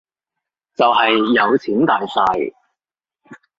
就係有錢大晒